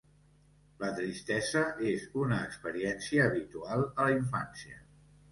La tristesa és una experiència habitual a la infància.